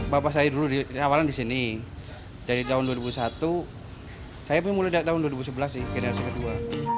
bapak saya dulu di awalan disini dari tahun dua ribu satu saya mulai dari tahun dua ribu sebelas sih generasi kedua